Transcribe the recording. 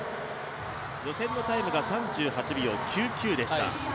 予選のタイムが３８秒９９でした。